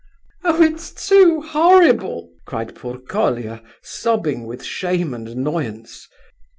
"Oh, it's too horrible!" cried poor Colia, sobbing with shame and annoyance.